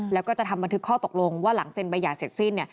แล้วก็จะทำบันทึกข้อตกลงว่าหลังเซ็นใบหย่าเสร็จสิ้นเนี่ย